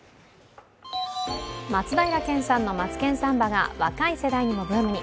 松平健さんの「マツケンサンバ」が若い世代にもブームに。